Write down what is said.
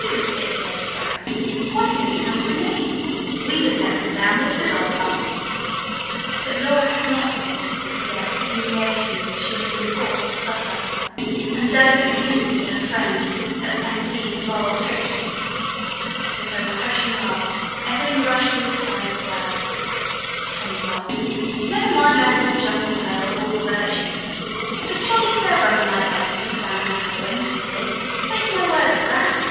"You ridiculous sprat! Why didn't you come to me? We'd have let them down with a good old bump." But Laura could not so easily forget the humiliations she had been forced to suffer, and delicately hinted to her friend at M. P.'s moral strictures. With her refreshing laugh, Evelyn brushed these aside as well. "Tommyrot! Never mind that old jumble sale of all the virtues. It was jolly clever of a mite like you to bamboozle them as you did take my word for that."